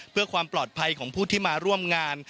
เพื่อความปลอดภัยของผู้ที่มาร่วมงาน